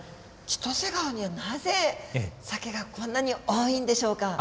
千歳川にはなぜサケがこんなに多いんでしょうか？